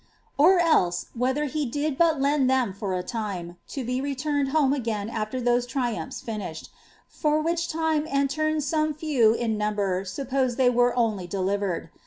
Or else, whether he did but lend theni for a time, to be returned home agiifl after Uiose triumphs finished; fur which time and turn some few in number suppoiie they M'ore only delivered.